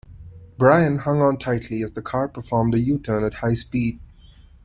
Brian hung on tightly as the car performed a U-turn at high speed.